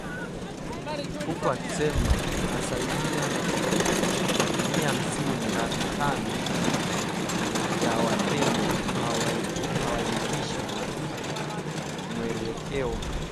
huku akisema asilimia hamsini na tano ya wakenya hawaridhishwi na mwelekeo